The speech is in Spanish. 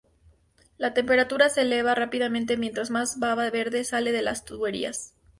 La temperatura se eleva rápidamente mientras más baba verde sale de las tuberías.